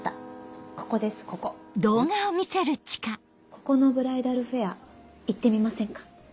ここのブライダルフェア行ってみませんか？